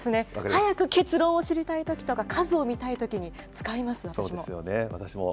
早く結論を知りたいときとか、数を見たいときに使います、私も。